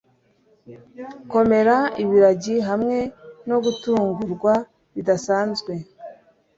Komera ibiragi hamwe no gutungurwa bidasanzwe